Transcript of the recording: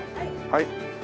はい。